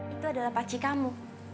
itu adalah paci kamu